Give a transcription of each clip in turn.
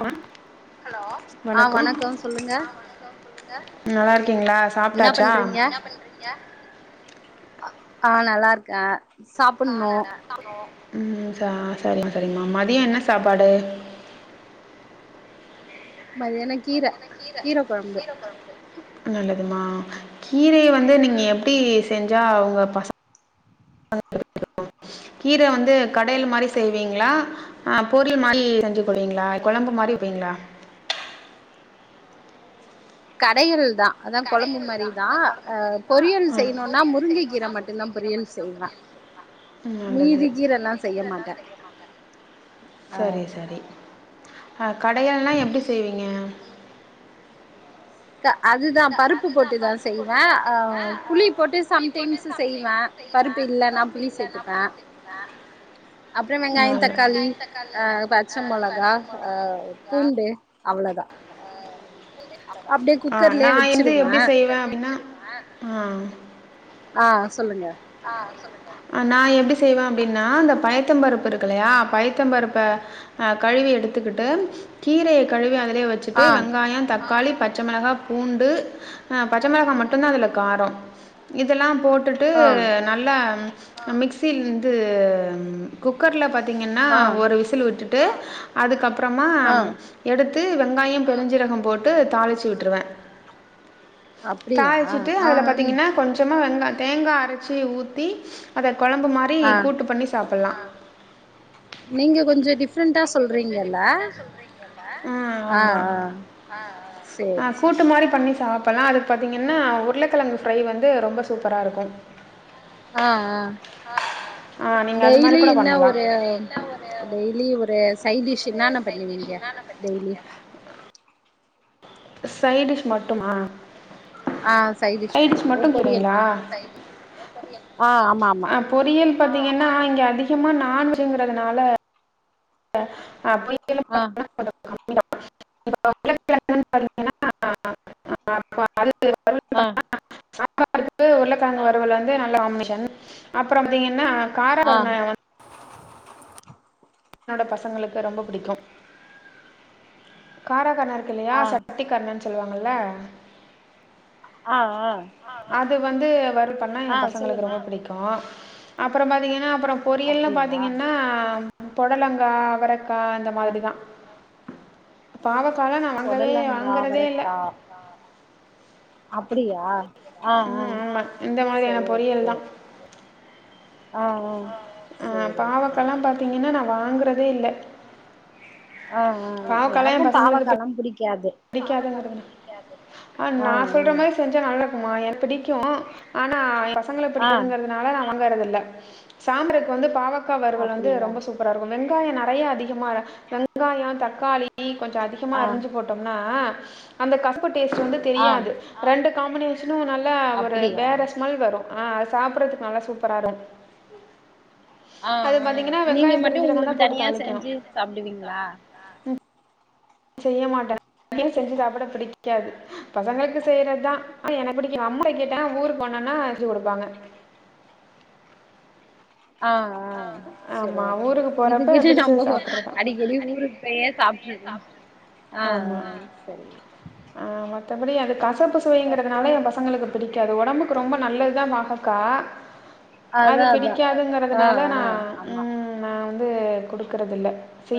அ ஆ வணக்கம் சொல்லுங்க நல்லார்க்கீங்களா என்னா பண்றீங்க ஆ நல்லார்க்க ம் சா சரிங் சரிங்கம்மா மதியொ என்ன சாப்பாடு மதியான கீர கீரகொழம்பு நல்லதும்மா கீரைய வந்து நீங்க எப்டி செஞ்சா அவுங்க பச கீர வந்து கடயல் மாரி செய்வீங்களா ஆ பொறியல் மாறி செஞ்சு குடுவீங்களா கொழம்பு மாரி வெய்ங்களா கடையல்தா கடையள்தா அதா பொரியல் செய்யணுன்னா கொழம்புமாரிதாஸபொரியல் முருங்கை கீர செய்ணுன்னா மட்டுந்தா முருங்ககீர பொரியல் மட்டுந்தா செய்வே பொரியல் செய்லா நல்லது மீதி கீரல்லா செய்ய மாட்டே சரி சரி அ கடையல்ன்னா எப்டி செய்வீங்க க அதுதா பருப்பு போட்டுதா செய்வ அ புளி போட்டு சம்டைம்ஸ் செய்வ செய்வ பருப்புஇல்லனா புளி செய்வ அப்பறொ வெங்காய தக்காளி அ பச்சை மொளகா அ பூண்டு அவ்ளொதா அ குக்கர்லயே நா எந்து வச்சிருவே எப்டி செய்வே அப்டின்னா அ ஆ சொல்லுங்க ஆ சொல்லுங்க நா எப்டி செய்வ அப்டின்னா இந்த பயத்தம்பருப்பு இருக்குல்லையா பயத்தம்பருப்ப அ கழுவி எடுத்துக்கிட்டு கீரைய கழுவி அதுலே வெச்சுட்டு ஆ வெங்காயொ தக்காளி பச் பச்ச மிளகா பூண்டு அ பச்ச மிளகா மட்டு அதுல காரோ இதுலா போட்டுட்டு ஆ நல்லா மிக்சிலிருந்து குக்கர்ல பாத்தீங்கன்னா ஆ விசில் விட்டுட்டு அதுக்கப்றோமா ஆ எடுத்து வெங்காயோ பெரிஞ்சீரகோ போட்டு தாளிச்சு விட்டுருவ அப்டியா தாளிச்சுட்டு ஆ அதுல பாத்திங்கனா கொஞ்சமா வெங்கா தேங்கா அரைச்சி ஊத்தி அத கொழம்பு மாரி ஆ கூட்டு பண்ணி சாப்பில்லா நீங்க கொஞ்சோ டிஃப்ரெண்டா சொல்றீங்கல்ல ஆ ஆமா அ அ சேரி அ சேரி கூட்டு மாரி பண்ணி சாப் இப்பெல்லா அது பாத்தீங்கன்னா உருளக்கெழங்கு ஃப்ரை வந்து ரொம்ப சூப்பரா இருக்கு ஆ ஆ ஆ நீங்கள் அது மாதிரி டெய்லியு கூட என்ன பண்ணலாம் ஒரு டெய்லியு ஒரு சைடிஷ் இன்னானா பண்ணுவீங்க டெய்லி சைடிஷ் மட்டுமா ஆ சைட் டிஷ் சைடிஸ் ஓ மட்டு பொரியல் கிறீங்ளா ஆ ஆமா ஆமா அப் பொரீயல் பாத்தீங்கன்னா இங்க அதிகமா நான்வெஜ்கிறதுனால [unintelligible] ஆ [unintelligible] [unintelligible] அ சாப்பாடுக்கு உருளக்கெழங்கு வருவல் வந்து நல்ல காமினேஷன் அப்றோ பத்தீங்கன்னா கார ஆ கருணயவன் என்னோட பசங்களுக்கு ரொம்ப புடிக்கு கார கரண இருக்குல்லையா ஆ சட்டி கரணன்னு சொல்லுவாங்கல்ல ஆ ஆ அது வந்து வரு பண்ணா ஏ ஆ பசங்களுக்கு சொல்லுங்க ரொம்ப புடிக்கு அப்றோ பாத்தீங்கனா அப்றோ பொரியல்னு அப்டியா பாத்தீங்கனா பொடலங்கா அவரக்கா அந்த ஆ மாரிதா பாவகாலா நா வாங்கவே பொடலங்கா வாங்கறதே இல்ல அவரக்கா அப்டியா ஆ ஆ ம் ஆமாம் இந்த மாதிரியான செரி பொரியல் தான் செர் ஆ ஆ அ சேரி சேரி பாவக்கலா பாத்திங்கனா நா வாங்குறதே இல்ல ஆ ஆ எனக்கு பாவக்கலா புடிக்காது புடிக்காதுங்கிறது ஆ நா சொல்ற ம் மாரி செ செஞ்சா நல்லா இருக்குமா என்கு புடிக்கு ஆனா பசங்களுகு ஆ புடிக்காதுங்கிறது அதனால நா வாங்கறது இல்ல சாம்பரைக்கு வந்து பாவக்கா வறுவல் வந்து அப்டியா ரொம்ப சூப்ப ராருக்கு வெங்காயோ நெறைய அதிகமா வெங்காயோ தக்காளி கொஞ்சோ அதிகமா ஆ அரிஞ்சு போட் டோம்னா அந்த கசப்பு டேஸ்ட் வந்து ஆ தெரியாது ரெண்டு காமினே ஷனு நல்லா ஒரு அப்டியா வேற ஆ ஸ்மெல் வரு ஆ அ சாப்றதுக்கு நல்லா சூப்பர இருக்கு ஆ ஆ நீங்க மட்டு பெருஞ்சீரகம் உங்களுக்கு தான் போட்டு தனியா தாளிக்கணும் செஞ்சு சாப்டுவீங்ளா செய்ய மாட்டே தனியா செஞ்சு சாப்பிட பிடிக்காது பசங்களுக்கு செய்றதுதா ஆ எனக்கு புடிக்கு அம்மாவ கேட்டே ஊரு போனேனா செஞ்சி குடுப்பாங்க ஆ ஆ செரி ஆமாம் ஓகே ஊருக்கு போகிறப்ப இதுக்குன்னு பிடிச்சது நம்ம சாப்பிட்றது தான் அடிக்கடி ஊருக்கு போயே சாப்ட்டுருக்கலா ஆ ஆ செரி ஆ மத்தபடி அது கசப்பு அப்றோ சுவைங்கிறதுனால எ பசங்களுக்கு புடிக்காது ஒடம்புக்கு ரொம்ப நல்லது தா பாகக்கா அதா அதா ஆ ஆ நான் ஆமா ம் நா வந்து குடுக்கறது இல்ல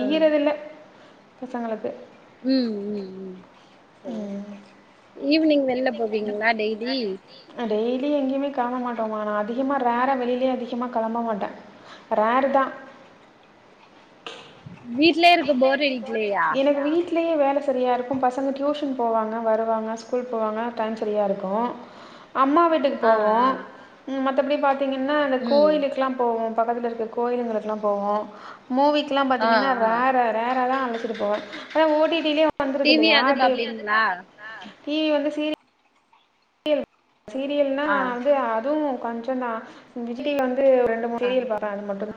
ஆ இல்ல பசங்களுக்கு ம் ம் ம் செரி ம் ஈவ்னிங் வெள்ல போவீங்ளா டெய்லி அ டெய்லி எங்கியுமே காண மாட்டோமா நா அதிகமா ரேரா வெளிலேயே அதிகமா கெளம்ப மாட்ட ரேரு தா வீட்லே இருக்க போர் அடிக் எனக்கு வீட் வீட்லயே வேல செரியா இருக்கு பசங்க டியூஷன் போவாங்க வருவாங்க ஸ்கூல் போவாங்க டைம் செரியா இருக்கு அம்மா வீட்டுக்கு ஆ போவோ ஆ மத்தபடி பாத்தீங்கனா இந்த ம் கோயிலுக்குல்லா போவோ பக்கத்துல இருக்க கோயிளுங்களுக்ல்லா போவோ மூவிக்குல்லா ஆ பாத்தீங்கனா ஆ ரேரா ரேரா தா அ இருப்போ ஆனா ஓ டி டி லியே வந்துருது டிவி இல்லையா அது டி பாப்பீங்களா டிவி வந்து சீரிய சீரியல்னா ஆ வந்து அதுவு கொஞ்ச தா விஜய் வந்து ரெண் டு ஆ முறையில் வர அது மட்டு தா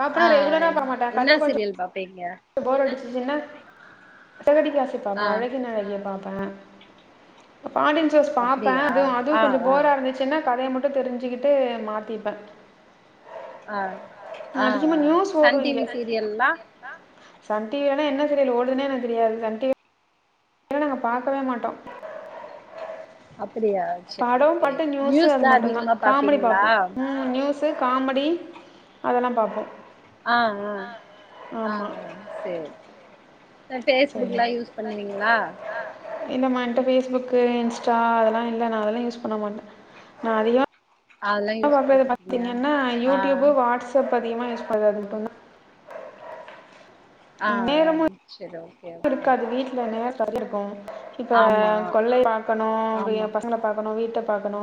பாப்பனா ரெகுலரா போ மாட்டே கத கொஞ்சோ சிரீயல் பாப்பீங்க போர் அடிச்சதுன்னா சிறகடிக்க ஆசை பாப்பே ஆ அழகின் அழகுல பாப்பே பாண்டியன் ஸ்டோர்ஸ் பாப்பே அப்டியா அதுவு அதுவு ஆ கொஞ்ச ஆ போரா இருந்துச் சின்னா கதைய மட்டு தெரிஞ்சிக்கிட்டு மாத்திப்பே ஆ ஆ அதிகமா ஆ நியூஸ் ஓடு சன் இங்க டிவி சீரியல்லா சன் டிவில எல்லா என்ன சீரியல் ஓடுதுனே எனக்கு தெரியாது சன் டிவி இல்ல நாங்க பாக்கவே மாட்டோ அப்படியா பட மட்டு நியூஸ் அது மட்டு தா காமெடி பாப்பீங்களா பாப்போ ஆ நியூஸு காமெடி அதெல்லா பாப்போ ஆ ஆ ஆ ஆமா சேரி பேஸ்புக் எல்லா யூஸ் பண்ணுவீங்ளா இல்லமா என்ட்ட பேஸ்புக்கு இன்ஸ்டா அதெல்லா இல்ல நா அதெல்லா யூஸ் பண்ண மாட்ட நா அதிகமா அதெல்லா யூஸ் பண்ண அப்பவே மாட்டீங்க பாத்தீங்கன்னா ஆ யூடியூப் வாட்ஸ்அப் அதிகமா யூஸ் பண்றது இப்ப தா ஆ ம், ஆ செரி ஓகே ஓகே இந்த ஒன் இயர் ஸ்டடி இருக்கு இப்ப ஆமா கொள்ளைய பாக்கனு ஆமா பசங்கள பாக்கனு வீட்ட பாக்கனு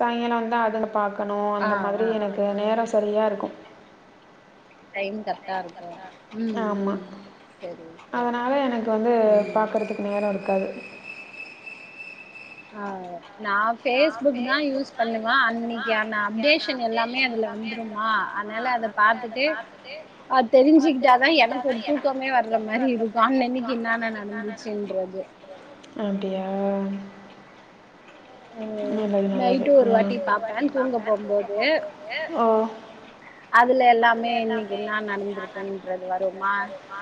சாயங்காளா வந்தா அதுங்கள பாக்கனு ஆ அந்த மாதிரி ஆ எனக் எ நேரோ சரியா இருக்கு டைம் கரெக்டா இருக்கு ம் ஆமா ம் செரி செ அதனால எனக்கு வந்து பாக்கறதுக்கு நேரோ இருக்காது ஆ நா பேஸ்புக் தா யூஸ் பண்ணுவ அன்னிக்கான அப்டேஷன் எல்லாமே அதுல வந்துருமா அதனால அத பாத்துட்டு அ தெரிஞ்சிகிட்டா தா எனக்கு ஒரு தூக்கமே வர்ற மாரி இருக் அன்னன்னைக்கு என்னானா நடந்துச்சின்றது அப்டியா நல்லது நல்லது நைட்டு ஒரு வாட்டி ம் பாப்பே தூங்க போம்போது ஓ அதுல எல்லாமே என்னா நடக்குது வருமா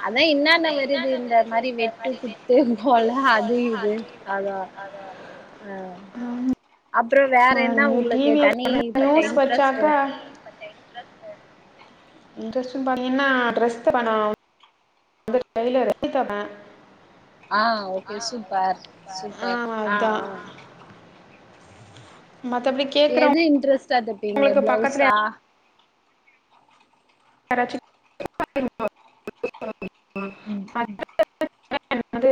அதா என்னென்ன வருது என்னாந்த இந்த மாரி து வேற மாரி குத்து வெட்டு குத்து கொல போ அது அவ்ளோதா [inaudible] அத ஆ ஆம் அப்பற வேற என்னா உங்களுக்கு தனிப்பட்ட நியூஸ் இன்ட்ரெஸ்ட்டு வச்சாக்கா இன்டெரெஸ்ட்டுன் பாத்திங்கன்னா ட்ரெஸ் வேணா [unintelligible] ஆ ஓகே சூப்பர் ஆ சூப்பர் அதா ஆ மத்தபடிக் எது இன்ட்ரெஸ்டா தப்பீங்க பிளவுஸா யாராச்சு [inaudible] [inaudible] ம் ம் வந்து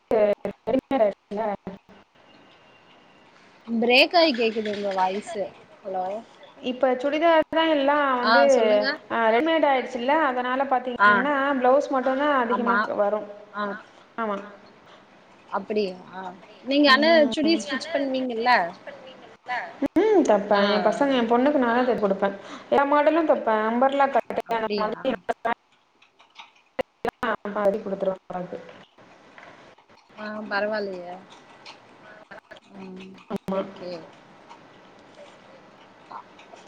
ப்ரேக் ஆகி கேக்குது உங்க வாய்ஸ்சு ஹலோ இப்ப சுடிதார் தா எல்லா ஆ வந்து சொல்லுங்க ஆ ரெடிமேட் ஆயிடுச்சுல்ல அதனால பா ஆ த்திங்கன்னா ப்ளவுஸ் மட்டுந்தா அதிகமா ஆமா வரு ஆமா அப்படியா நீங்க அனா ம் சுடி ஸ்டிச் பண்ணீங்கள்ல ம் தப்ப எ பசங்க எ பொண்ணு நாந்தா போய் குடுப்பே எல்லா மாடலு தப்பே அம்பர்லா கட்டு அந்த அப்டியா மாரி [inaudible] [inaudible] பாதி குடுத்துருவோ [inaudible] க்கு ஆ பரவால்லையே ம் ஓகே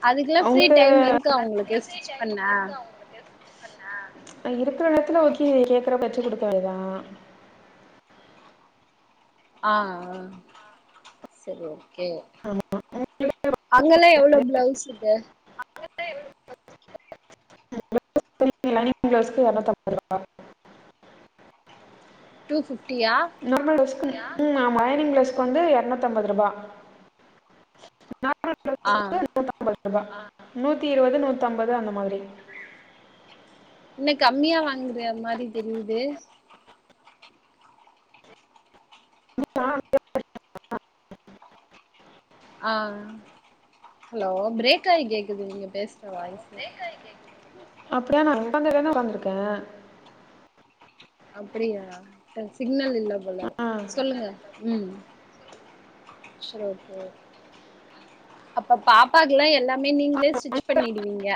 அதுக்குலா ஃப்ரீ அவங்களுக்கு டைம் இருக்கா உங்களுக்கு ஸ்டிச் பன்ன ஆ இருக்குற எடத்துல ஓகே கேக்குற தச்சு குடுக்க வேதா ஆ ஆ செரி ஓகே அங்கெல்லா எவ்ளோ ப்ளவுஸ்க்கு துணி லைனிங் ப்ளௌஸ்க்கு எறநூத்தம்பது ருவா டூ ஃபிப்டியா நார்மல் ப்ளௌஸ்க்கு ம் லைனிங் ப்ளௌஸ்க்கு வந்து எரநூத்தம்பது ரூபா நார்மல் ப்ளௌ ஆ நூத்தம்பது ரூபா நூத்தி இருவது நூத்தம்பது அந்த மாரி என்ன கம்மியா வாங்குற அந்த மாரி தெரியுது [inaudible] ஆ ஹலோ ப்ரேக்காய் கேக்குது நீங்க பேசுற வாய்ஸ் அப்டியா நா [inaudible] உட்காந்திருக்கே அப்டியா சிக்னல் இல்ல போல ஆ சொல்லுங்க ம் செரி ஓகே அப்ப பாப்பாக்குல்லா எல்லாமே நீங்களே ஸ்டிச் பண்ணிடுவீங்க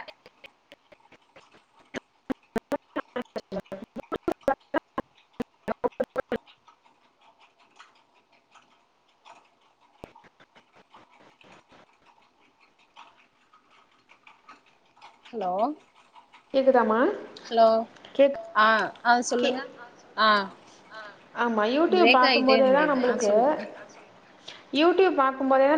ஹலோ கேக்குதாமா ஹலோ ஆ ஆ சொல்லுங்க ஆ ஆமா யூடியூப் பிரேக் ஆயிட்டே பாக்கும்போதேதா இருந்தது ஆ நம்மளுக்கு சொல்லுங்க யூடியூப் பாக்கும்போதேதா